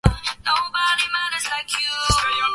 ni hii humsaidia kuepusha kupata maradhi ya mara kwa mara